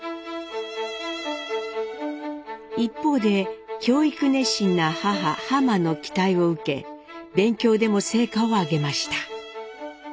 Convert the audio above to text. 一方で教育熱心な母ハマの期待を受け勉強でも成果を上げました。